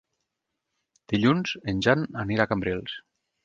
Dilluns en Jan anirà a Cambrils.